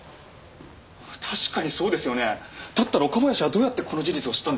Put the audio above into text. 確かにそうですよねだったら岡林はどうやってこの事実を知ったんですか？